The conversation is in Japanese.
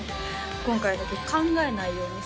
今回の曲「考えないようにする」